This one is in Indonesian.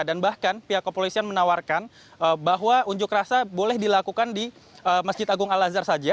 dan bahkan pihak kepolisian menawarkan bahwa unjuk rasa boleh dilakukan di masjid agung al azhar saja